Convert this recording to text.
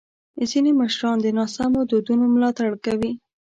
ځینې مشران د ناسم دودونو ملاتړ کوي.